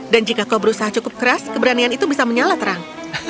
dan jika kau berusaha cukup keras keberanian itu bisa menyala terang